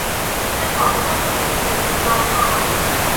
ฉันขอเป็นพัสดุแบบเก็บเงินปลายทาง